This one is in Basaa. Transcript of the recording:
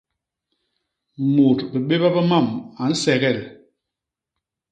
Mut bibéba bi mam a nsegel.